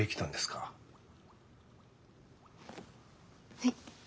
はい？